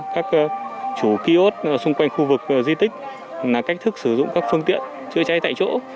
các chủ ký ốt xung quanh khu vực di tích là cách thức sử dụng các phương tiện chữa cháy tại chỗ